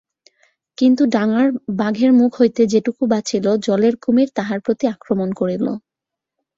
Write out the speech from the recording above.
কিন্তু ডাঙার বাঘের মুখ হইতে যেটুকু বাঁচিল জলের কুমির তাহার প্রতি আক্রমণ করিল।